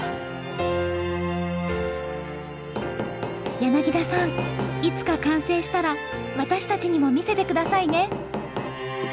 柳田さんいつか完成したら私たちにも見せてくださいね。